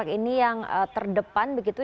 baik jadi sinovac ini yang terdepan begitu